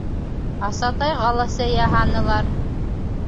Асатайға ла сәй яһанылар.